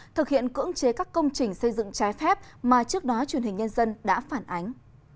thực hiện cưỡng chế các công trình xây dựng trái phép mà trước đó truyền hình nhân dân đã phản ánh